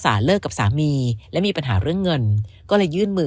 เลิกกับสามีและมีปัญหาเรื่องเงินก็เลยยื่นมือ